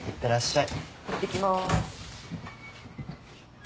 いってきまーす。